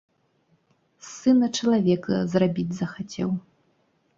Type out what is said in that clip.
З сына чалавека зрабіць захацеў.